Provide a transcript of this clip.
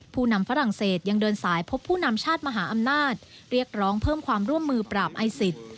ผู้นำฝรั่งเศสยังเดินสายพบผู้นำชาติมหาอำนาจเรียกร้องเพิ่มความร่วมมือปราบไอซิส